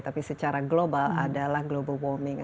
tapi secara global adalah global warming